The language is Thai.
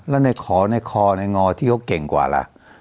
แล้วในขอในคอในงอที่เขาเก่งกว่าล่ะ